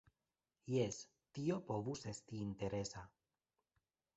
Jes, tio povus esti interesa.